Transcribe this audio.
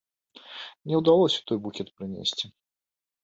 Не ўдалося той букет прынесці.